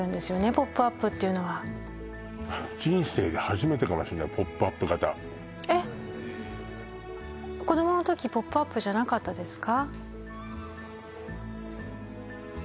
ポップアップっていうのは人生で初めてかもしんないポップアップ型えっ子どもの時ポップアップじゃなかったですか？